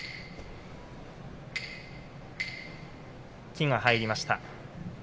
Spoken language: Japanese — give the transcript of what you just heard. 柝きが入りました。